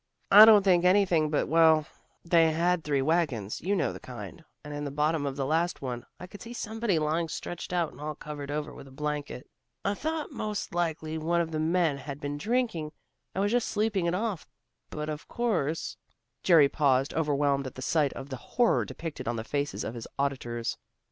"I don't think anything but well, they had three wagons you know the kind and in the bottom of the last one, I could see somebody lying stretched out and all covered over with a blanket. I thought most likely one of the men had been drinking and was just sleeping it off. But, of course " Jerry paused, overwhelmed at the sight of the horror depicted on the faces of his auditors.